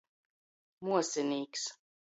Muosinīks.